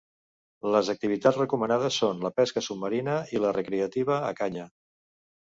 Les activitats recomanades són la pesca submarina i la recreativa a canya.